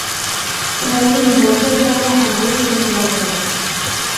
মৌলিক বৌদ্ধধর্ম আদৌ শূন্যবাদ নয়।